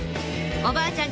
「おばあちゃん